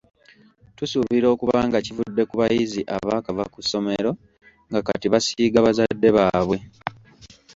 Tusuubira okuba nga kivudde ku bayizi abaakava ku ssomero nga kati basiiga bazadde baabwe.